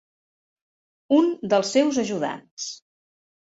Un dels seus ajudants.